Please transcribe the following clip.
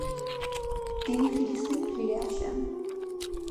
তিনি ফিলিস্তিন ফিরে আসেন।